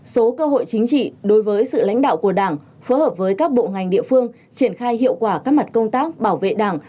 số cơ hội chính trị đối với sự lãnh đạo của đảng phối hợp với các bộ ngành địa phương triển khai hiệu quả các mặt công tác bảo vệ đảng